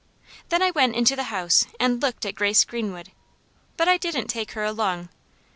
Then I went into the house and looked at Grace Greenwood, but I didn't take her along.